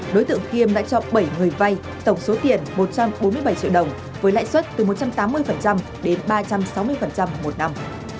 đối tượng khiêm đã cho bảy người vay tổng số tiền một trăm bốn mươi bảy triệu đồng với lãi suất từ một trăm tám mươi đến ba trăm sáu mươi một năm